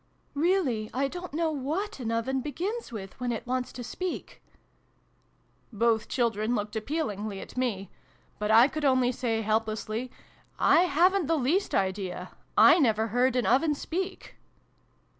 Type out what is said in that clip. " Really I don't know what an Oven begins with, when it wants to speak !" Both children looked appealingly at me ; but I could only say, helplessly, " I haven't the least idea !/ never heard an Oven speak